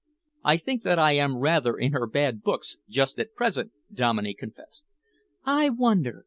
"I think that I am rather in her bad books just at present," Dominey confessed. "I wonder!